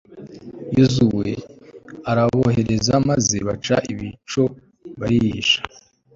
yozuwe arabohereza maze baca ibico barihisha